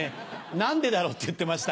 何でだろう？」って言ってました。